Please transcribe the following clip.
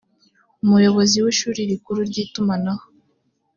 umuyobozi w ishuri rikuru ry itumanaho